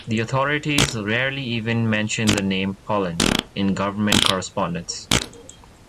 The authorities rarely even mentioned the name "Poland" in government correspondence.